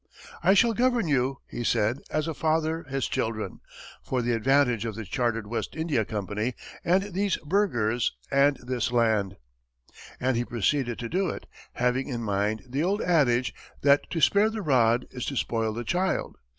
"I shall govern you," he said, "as a father his children, for the advantage of the chartered West India Company, and these burghers, and this land." And he proceeded to do it, having in mind the old adage that to spare the rod is to spoil the child.